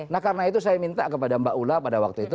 nah karena itu saya minta kepada mbak ula pada waktu itu